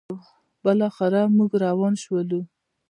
بالاخره موږ روان شولو: